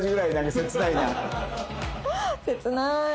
切ない。